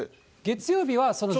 月曜日は。